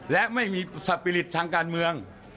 และไม่มีสปิริตทางการเมือง